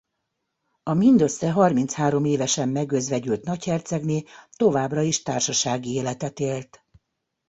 A mindössze harminchárom évesen megözvegyült nagyhercegné továbbra is társasági életet élt.